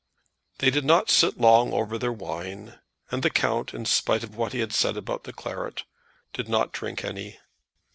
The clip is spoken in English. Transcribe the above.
They did not sit long over their wine, and the count, in spite of what he had said about the claret, did not drink any.